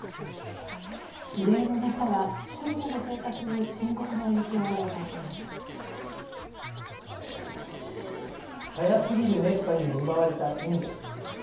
異例の熱波は人々の生活に早すぎる熱波に見舞われたインド。